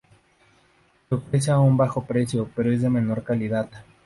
Se ofrece a muy bajo precio, pero es de menor calidad.